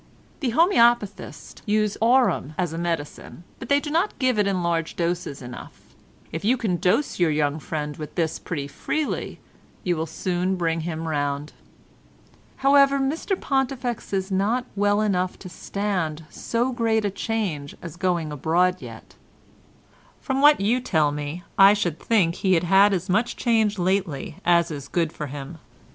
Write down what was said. "The homoeopathists use aurum as a medicine, but they do not give it in large doses enough; if you can dose your young friend with this pretty freely you will soon bring him round. However, Mr Pontifex is not well enough to stand so great a change as going abroad yet; from what you tell me I should think he had had as much change lately as is good for him.